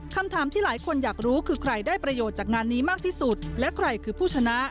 คำถามที่หลายคนอยากรู้คือใครได้ประโยชน์จากงานนี้มากที่สุดและใครคือผู้ชนะ